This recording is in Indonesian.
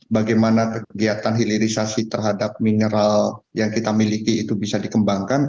bagaimana kegiatan hilirisasi terhadap mineral yang kita miliki itu bisa dikembangkan